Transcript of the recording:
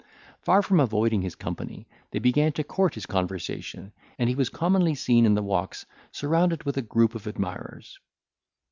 Far from avoiding his company, they began to court his conversation, and he was commonly seen in the walks surrounded with a group of admirers.